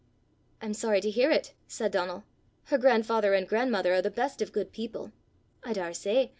"I'm sorry to hear it!" said Donal. "Her grandfather and grandmother are the best of good people." "I daursay!